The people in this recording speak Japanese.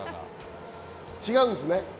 違うんですね。